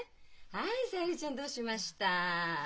はいサユリちゃんどうしました？